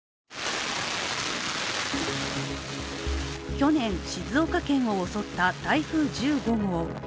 去年、静岡県を襲った台風１５号。